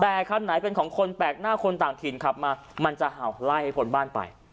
แต่คันไหนเป็นของคนแปลกหน้าคนต่างถิ่นขับมามันจะเห่าไล่ให้พ้นบ้านไป